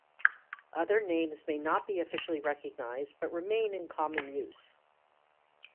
Other names may not be officially recognised but remain in common use.